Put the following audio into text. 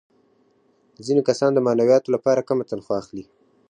ځینې کسان د معنویاتو لپاره کمه تنخوا اخلي